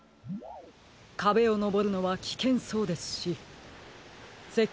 かべをのぼるのはきけんそうですしせっ